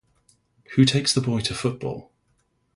Who takes the boy to football?